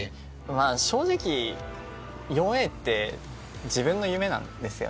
正直４Ａって自分の夢なんです。